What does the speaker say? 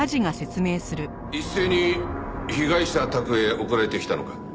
一斉に被害者宅へ送られてきたのか？